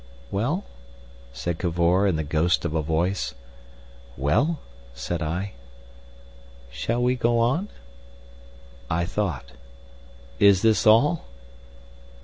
"Well?" said Cavor, in the ghost of a voice. "Well?" said I. "Shall we go on?" I thought. "Is this all?"